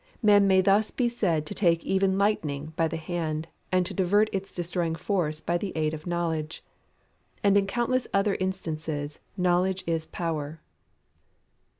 Man may thus be said to take even lightning by the hand, and to divert its destroying force by the aid of Knowledge. And in countless other instances "Knowledge is Power."